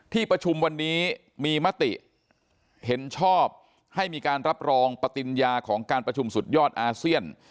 ที่ประชุมวันนี้มีมติเห็นชอบให้มีการรับรองปฏิญญาของการประชุมสุดยอดอาเซียน